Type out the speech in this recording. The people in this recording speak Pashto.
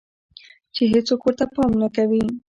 چې هيڅوک ورته پام نۀ کوي